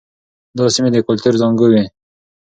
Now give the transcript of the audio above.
دا سیمې د کلتور زانګو وې.